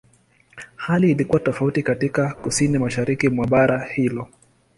Hali ilikuwa tofauti katika Kusini-Mashariki mwa bara hilo.